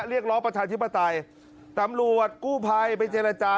เรียกร้องประชาธิปไตยตำรวจกู้ภัยไปเจรจา